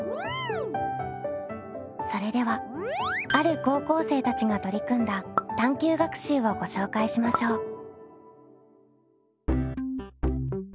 それではある高校生たちが取り組んだ探究学習をご紹介しましょう。